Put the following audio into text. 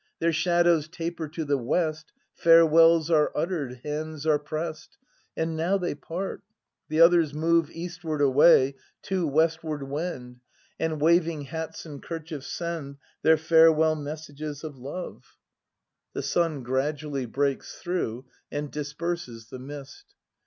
Their shadows taper to the west. Farewells are utter'd, hands are pressed. And now they part. The others move Eastward away, two westward wend. And, waving hats and kerchiefs, send Their farewell messages of love. 28 BRAND [ACT I [The sun gradually breaks through and disperses the mist.